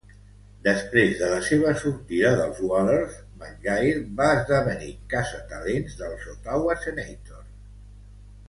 Després de la seva sortida dels Whalers, McGuire va esdevenir caçatalents dels Ottawa Senators.